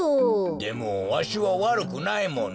でもわしはわるくないもんね。